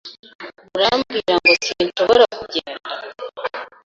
Urambwira ngo sinshobora kugenda?